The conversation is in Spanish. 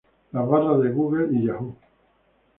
Las barras de Google y Yahoo!